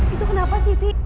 itu kenapa siti